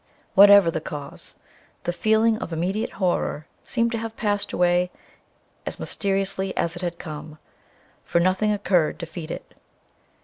Whatever the cause, the feeling of immediate horror seemed to have passed away as mysteriously as it had come, for nothing occurred to feed it.